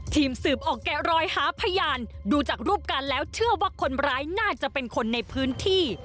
ทีมสืบออกแกะรอยหาพยานดูจากรูปการณ์แล้วเชื่อว่าคนร้ายน่าจะเป็นคนในพื้นที่